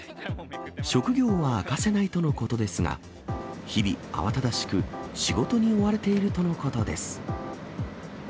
職業は明かせないとのことですが、日々、慌ただしく仕事に追われているとのことです。